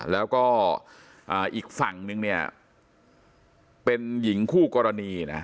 แล้วก็อีกฝั่งนึงเนี่ยเป็นหญิงคู่กรณีนะ